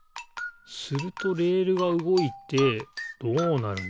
するとレールがうごいてどうなるんだ？